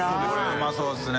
うまそうですね。